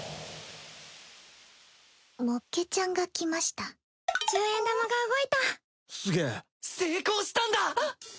もっけちゃんが来ました十円玉が動いたすげえ成功したんだ！